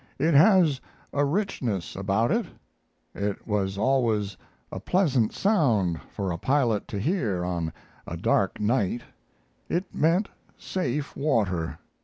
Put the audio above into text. It has a richness about it; it was always a pleasant sound for a pilot to hear on a dark night; it meant safe water."